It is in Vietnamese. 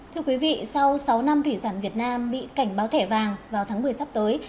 thưa quý vị sau sáu năm thủy sản việt nam bị cảnh báo thẻ vàng vào tháng một mươi sắp tới